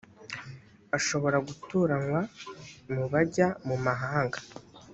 ashobora gutoranywa mu bajya mu mahanga